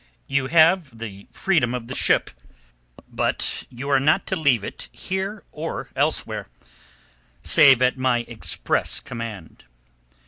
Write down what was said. You have the freedom of the ship, but you are not to leave it here or elsewhere save at my express command."